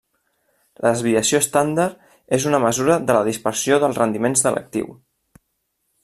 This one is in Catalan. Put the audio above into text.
La desviació estàndard és una mesura de la dispersió dels rendiments de l'actiu.